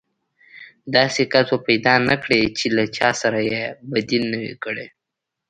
داسې کس به پيدا نه کړې چې له چا سره يې بدي نه وي.